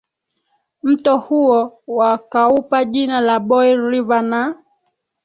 mto huo wakaupa jina la Boil River na